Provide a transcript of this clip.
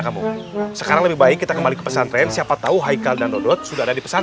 kamu sekarang lebih baik kita kembali ke pesantren siapa tahu haikal dan dodot sudah ada di pesantren